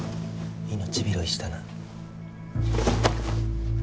命拾いしたな。